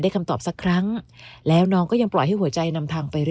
คำตอบสักครั้งแล้วน้องก็ยังปล่อยให้หัวใจนำทางไปเร